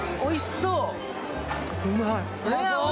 うまい。